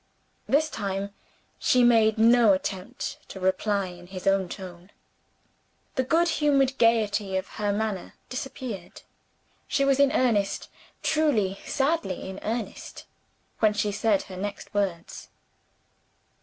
This time, she made no attempt to reply in his own tone. The good humored gayety of her manner disappeared. She was in earnest truly, sadly in earnest when she said her next words.